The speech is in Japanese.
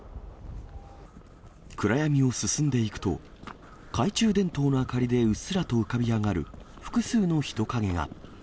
暗闇を進んでいくと、懐中電灯の明かりでうっすらと浮かび上がる複数の人影が。